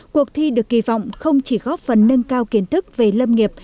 cuộc thi được kỳ vọng không chỉ góp phần nâng cao kiến thức về lâm nghiệp